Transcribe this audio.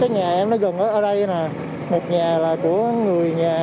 nhà em nó gần ở đây là một nhà là của người nhà